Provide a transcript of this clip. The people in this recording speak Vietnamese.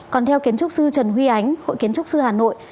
còn theo kiến trúc sư trần huy ánh hội kiến trúc sư hà nội